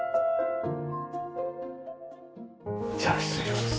じゃあ失礼します。